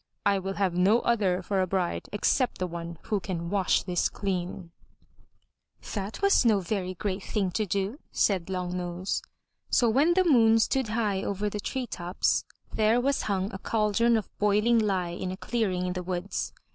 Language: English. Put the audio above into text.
I will have no other for a bride except the one who can wash this clean." 406 THROUGH FAIRY HALLS That was no very great thing to do, said Long nose. So when the moon stood high over the tree tops, there was hung a caldron of boiling lye in a clearing in the woods.